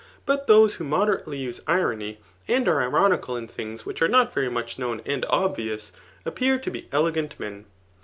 But those .who moderately use irony » and are ironical in things which are not very much knowjoiand obvious, appear to be elegant men.